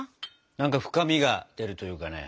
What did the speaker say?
何か深みが出るというかね。